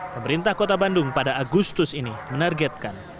pemerintah kota bandung pada agustus ini menargetkan